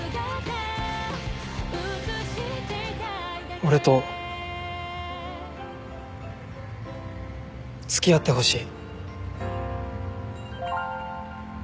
俺と付き合ってほしい。